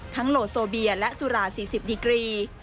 โลโซเบียและสุรา๔๐ดีกรี